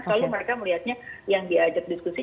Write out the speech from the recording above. selalu mereka melihatnya yang diajak diskusi